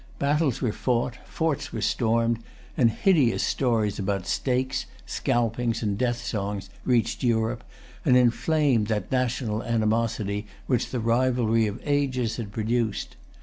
Battles were fought; forts were stormed; and hideous stories about stakes, scalpings, and death songs reached Europe, and inflamed that national animosity which the rivalry of ages had produced.